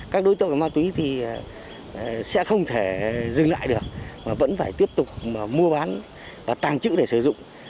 các đối tượng của ma túy sẽ không thể dừng lại được vẫn phải tiếp tục mua bán và tàng trữ để sử dụng